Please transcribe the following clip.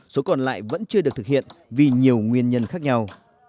số còn lại vẫn chưa được thực hiện vì nhiều nguyên nhân khác nhau